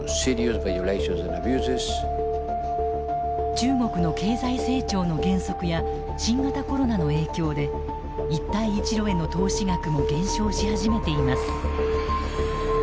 中国の経済成長の減速や新型コロナの影響で一帯一路への投資額も減少し始めています。